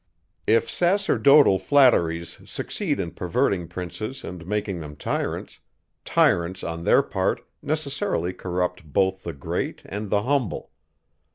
If sacerdotal flatteries succeed in perverting princes and making them tyrants; tyrants, on their part, necessarily corrupt both the great and the humble.